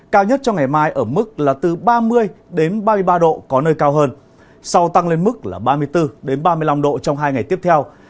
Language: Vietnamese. cao nhất trong ngày mai ở mức là từ ba mươi ba mươi ba độ có nơi cao hơn sau tăng lên mức là ba mươi bốn ba mươi năm độ trong hai ngày tiếp theo